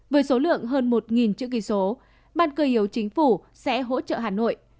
với số lượng hơn một chữ kỳ số ban cơ hiếu chính phủ sẽ hỗ trợ hà nội